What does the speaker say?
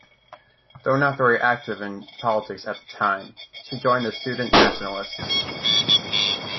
Though not very active in politics at that time, she joined the Student Nationalists.